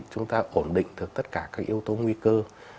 chúng ta ổn định được tất cả các yếu tố nguy cơ